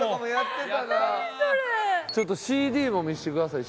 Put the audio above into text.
ちょっとＣＤも見せてください。